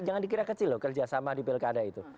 jangan dikira kecil loh kerjasama di pilkada itu